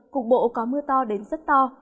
cục bộ có mưa to đến rất to